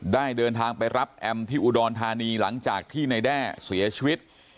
เดินทางไปรับแอมที่อุดรธานีหลังจากที่นายแด้เสียชีวิต